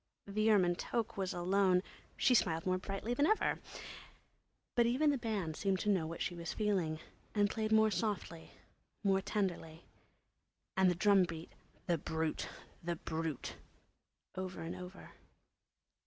The ermine toque was alone; she smiled more brightly than ever. But even the band seemed to know what she was feeling and played more softly, played tenderly, and the drum beat, "The Brute! The Brute!" over and over.